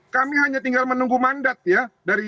kami hanya tinggal menunggu mandat ya